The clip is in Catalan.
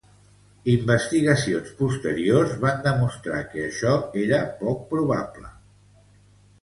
Investigacions posteriors van demostrar que això era poc probable.